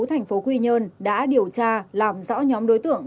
thành phố quy nhơn đã điều tra làm rõ nhóm đối tượng